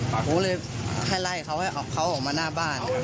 ผมเลยให้ไล่เขาให้เขาออกมาหน้าบ้าน